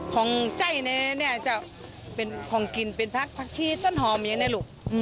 ของใจแน่เนี่ยจะเป็นของกินเป็นพักผักชี้ต้นหอมอย่างนี้นะลูก